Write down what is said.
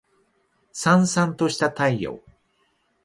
燦燦とした太陽